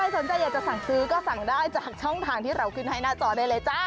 สนใจอยากจะสั่งซื้อก็สั่งได้จากช่องทางที่เราขึ้นให้หน้าจอได้เลยจ้า